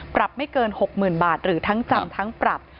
ปรับไม่เกิน๖๐๐๐บาทหรือทั้งจำทั้งปรับ